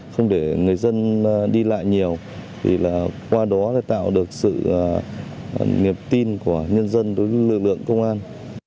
không để người dân đi lại nhiều thì qua đó tạo được sự nghiệp tin của nhân dân đối với lực lượng công an